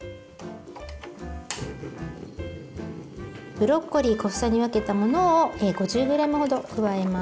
ブロッコリー小房に分けたものを５０グラムほど加えます。